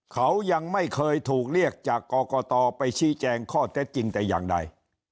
เขายังไม่เคยถูกเรียกจากกรกตไปชี้แจงข้อเท็จจริงแต่อย่างใด